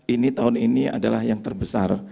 ini tahun ini adalah yang terbesar